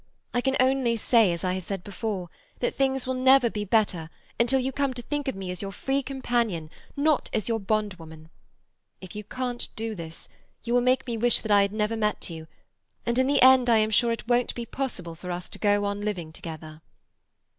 I can only say as I have said before, that things will never be better until you come to think of me as your free companion, not as your bond woman. If you can't do this, you will make me wish that I had never met you, and in the end I am sure it won't be possible for us to go on living together."